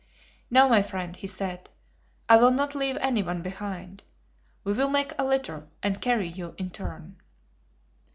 "No, my friend," he said, "I will not leave anyone behind. We will make a litter and carry you in turn."